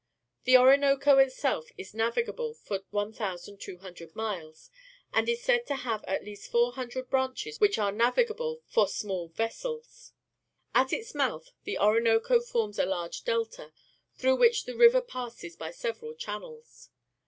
The Orinoco itself is na\'igable for 1,200 miles, and is said to have at least four hundred branches which are navigable for small vessels. At its mouth the Orinoco forms a large delta, through which the river passes by several channels.